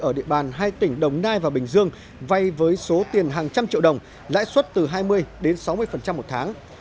ở địa bàn hai tỉnh đồng nai và bình dương vay với số tiền hàng trăm triệu đồng lãi suất từ hai mươi đến sáu mươi một tháng